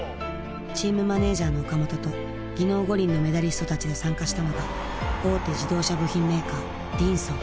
チームマネージャーの岡本と技能五輪のメダリストたちで参加したのが大手自動車部品メーカーＤンソー。